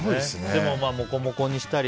でももこもこにしたり。